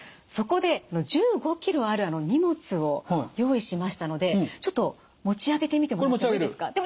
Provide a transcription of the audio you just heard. そこで１５ｋｇある荷物を用意しましたのでちょっと持ち上げてみてもらっていいですか？